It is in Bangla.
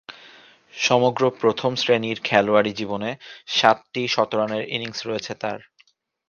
সমগ্র প্রথম-শ্রেণীর খেলোয়াড়ী জীবনে সাতটি শতরানের ইনিংস রয়েছে তার।